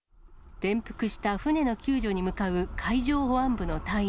転覆した船の救助に向かう海上保安部の隊員。